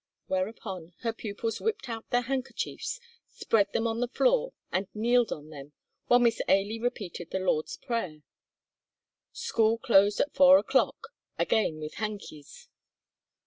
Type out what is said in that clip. whereupon her pupils whipped out their handkerchiefs, spread them on the floor and kneeled on them while Miss Ailie repeated the Lord's Prayer. School closed at four o'clock, again with hankies.